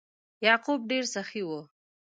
یعقوب ډیر سخي و.